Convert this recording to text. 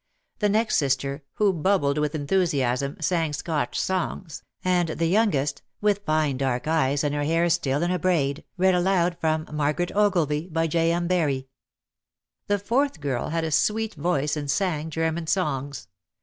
The next sister, who bubbled with enthusiasm, sang Scotch songs and the youngest, with fine dark eyes and her hair still in a braid, read aloud from "Margaret Ogilvy" by J. M. Barrie. The fourth girl had a sweet voice and sang German songs.